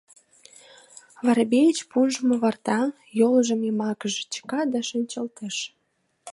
Воробеич пунжым оварта, йолжым йымакыже чыка да шинчылтеш.